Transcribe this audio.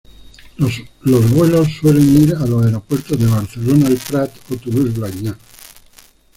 Los vuelos suelen ir a los aeropuertos de Barcelona-El Prat o Toulouse-Blagnac.